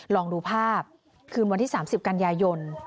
ลองดูภาพคืนวันที่๓๐กันยายน